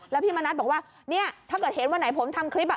แล้วพี่มณัฐบอกว่าเนี่ยถ้าเกิดเห็นวันไหนผมทำคลิป